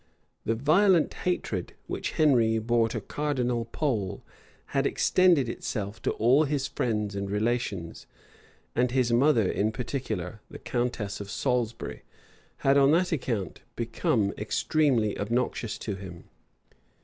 The violent hatred which Henry bore to Cardinal Pole had extended itself to all his friends and relations; and his mother in particular, the countess of Salisbury, had on that account become extremely obnoxious to him.